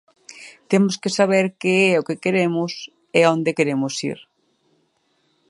Temos que saber que é o que queremos e a onde queremos ir.